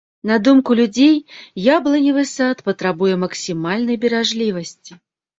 На думку людзей, яблыневы сад патрабуе максімальнай беражлівасці.